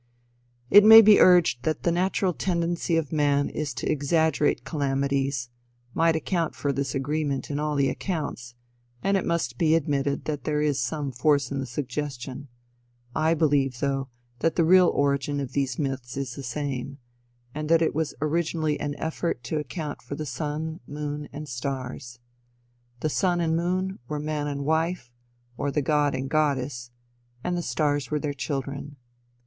It may be urged that the natural tendency of man to exaggerate calamities, might account for this agreement in all the accounts, and it must be admitted that there is some force in the suggestion, I believe, though, that the real origin of all these myths is the same, and that it was originally an effort to account for the sun, moon and stars. The sun and moon were the man and wife, or the god and goddess, and the stars were their children.